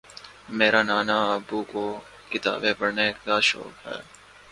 میرے نانا ابو کو کتابیں پڑھنے کا شوق ہے